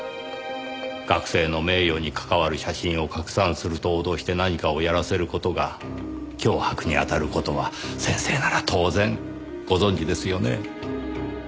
学生の名誉に関わる写真を拡散すると脅して何かをやらせる事が脅迫にあたる事は先生なら当然ご存じですよね？